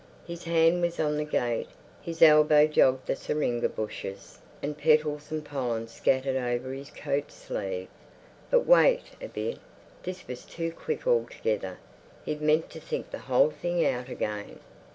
His hand was on the gate, his elbow jogged the syringa bushes, and petals and pollen scattered over his coat sleeve. But wait a bit. This was too quick altogether. He'd meant to think the whole thing out again.